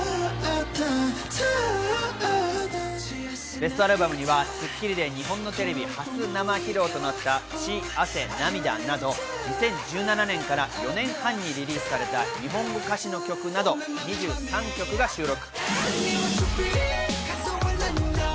ベストアルバムには『スッキリ』で日本のテレビ初生披露となった『血、汗、涙』など２０１７年から４年間にリリースされた日本語歌詞の曲など２３曲が収録。